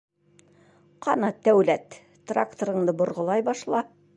— Ҡана, Тәүләт, тракторыңды борғолай башла!